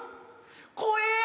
怖え！